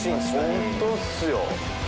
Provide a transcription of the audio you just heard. ホントっすよ。